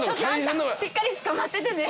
しっかりつかまっててね。